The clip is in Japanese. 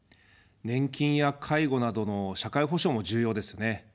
年金や介護などの社会保障も重要ですね。